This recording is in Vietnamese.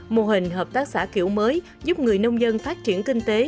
mô hình hợp tác xã kiểu mới giúp người nông dân phát triển kinh tế